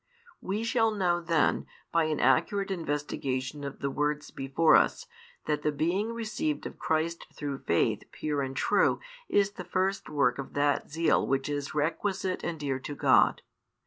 We shall know then, by an accurate investigation of the words before us, that the being received of Christ through faith pure and true is the first work of that zeal which is requisite and dear to God.